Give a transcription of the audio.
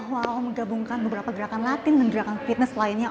walau menggabungkan beberapa gerakan latin dan gerakan fitness lainnya